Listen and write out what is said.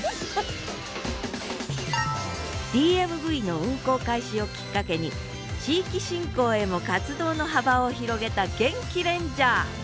ＤＭＶの運行開始をきっかけに地域振興へも活動の幅を広げたゲンキレンジャー。